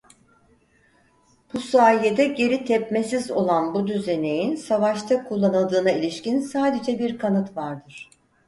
Bu sayede geri tepmesiz olan bu düzeneğin savaşta kullanıldığına ilişkin sadece bir kanıt vardır.